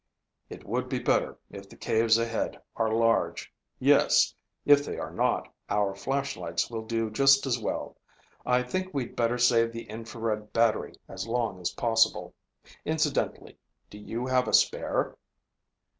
"It would be better if the caves ahead are large, yes. If they are not, our flashlights will do just as well. I think we'd better save the infrared battery as long as possible. Incidentally, do you have a spare?"